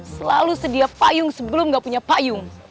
selalu sedia payung sebelum gak punya payung